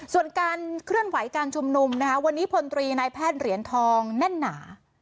ส่วนการเคลื่อนไหวการชุมนุมนะคะวันนี้พลตรีนายแพทย์เหรียญทองแน่นหนา